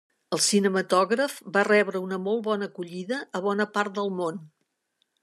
El cinematògraf va rebre una molt bona acollida a bona part del món.